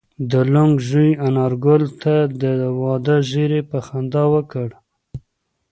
د لونګ زوی انارګل ته د واده زېری په خندا ورکړ.